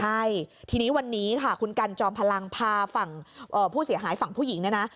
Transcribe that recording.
ใช่ทีนี้วันนี้ค่ะคุณกันจอมพลังพาฝั่งผู้เสียหายฝั่งผู้หญิงเนี่ยนะ